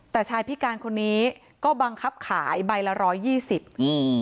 แต่ชายพิการคนนี้ก็บังคับขายใบละร้อยยี่สิบอืม